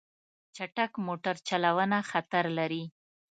چټک موټر چلوونه خطر لري.